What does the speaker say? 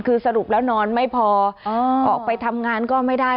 คือสรุปแล้วนอนไม่พอออกไปทำงานก็ไม่ได้